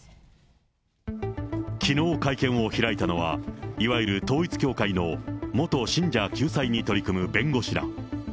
きのう会見を開いたのは、いわゆる統一教会の元信者救済に取り組む弁護士ら。